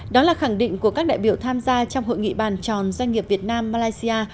đó là khẳng định của các đại biểu tham gia trong hội nghị bàn tròn doanh nghiệp việt nam malaysia